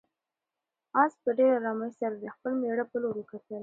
آس په ډېرې آرامۍ سره د خپل مېړه په لور وکتل.